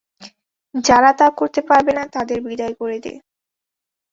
যারা তা করতে পারবে না, তাদের বিদায় করে দে।